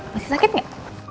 masih sakit gak